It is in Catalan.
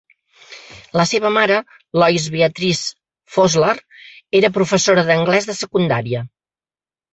La seva mare, Lois Beatrice Fossler, era professora d'anglès de secundària.